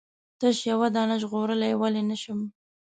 تش یوه دانه ژغورلای ولې نه شم؟